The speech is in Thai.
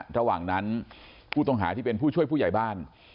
ระหว่างนั้นผู้ต้องหาที่เป็นผู้ช่วยผู้ใหญ่บ้าน